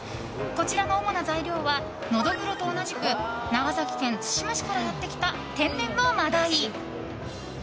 こちらの主な材料はノドグロと同じく長崎県対馬市からとってきた天然の真鯛。